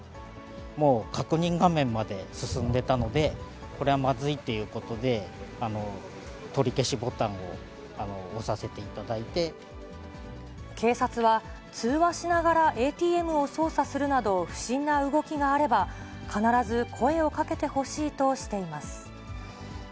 もう、確認画面まで進んでいたので、これはまずいということで、取り消しボタンを押させてい警察は、通話しながらＡＴＭを操作するなど、不審な動きがあれば、必ず声をかけてほしいとしています。